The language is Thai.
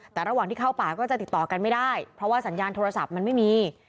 แต่ระหว่างที่เข้าป่าก็จะติดต่อกันไม่ได้เพราะว่าสัญญาณโทรศัพท์มันไม่มี